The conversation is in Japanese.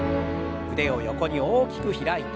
腕を横に大きく開いて。